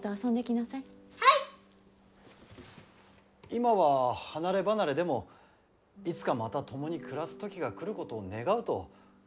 今は離れ離れでもいつかまた共に暮らす時が来ることを願うと。